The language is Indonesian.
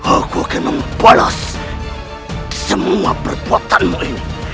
aku akan membalas semua perbuatanmu